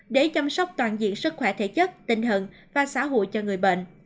để chăm sóc toàn diện sức khỏe thể chất tinh thần và xã hội cho người bệnh